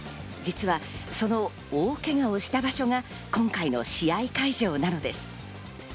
実はその大けがをした場所が今回の試合会場なのです。